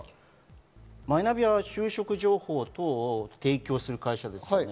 マイナビは就職情報等を提供する会社ですよね。